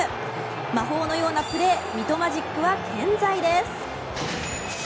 魔法のようなプレーミトマジックは健在です。